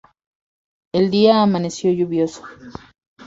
El día amaneció lluvioso.